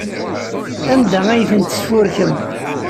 Anda ay tent-tesfurkem?